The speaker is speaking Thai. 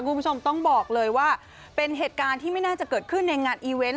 คุณผู้ชมต้องบอกเลยว่าเป็นเหตุการณ์ที่ไม่น่าจะเกิดขึ้นในงานอีเวนต์